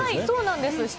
そうなんです。